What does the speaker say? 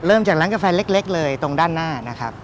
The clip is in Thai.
จากร้านกาแฟเล็กเลยตรงด้านหน้านะครับ